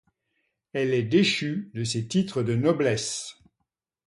Elle est déchue de ses titres de noblesse.